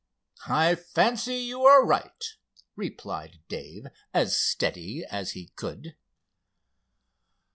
"I fancy you are right," replied Dave as steadily as he could.